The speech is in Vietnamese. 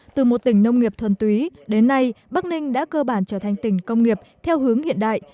từ một tỉnh nông nghiệp thuần túy đến nay bắc ninh đã cơ bản trở thành tỉnh công nghiệp theo hướng hiện đại